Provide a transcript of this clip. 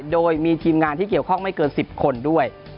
โดยมีทีมงานที่เกี่ยวข้องไม่เกิน๑๐คนด้วย